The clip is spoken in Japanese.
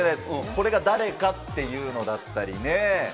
これが誰かっていうのだったりね。